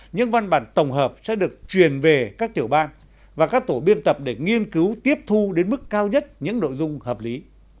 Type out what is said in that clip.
những văn bản tổng hợp sẽ được truyền về các tiểu ban và các tổ biên tập để nghiên cứu tiếp thu đến mức cao nhất những nội dung hợp lý